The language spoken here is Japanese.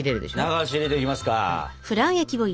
流し入れていきますか！